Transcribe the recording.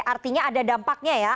artinya ada dampaknya ya